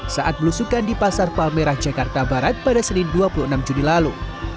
saat belusukan di pasar palmerah jakarta barat pada senin dua puluh enam juni lalu